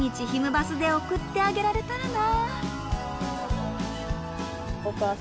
バスで送ってあげられたらな。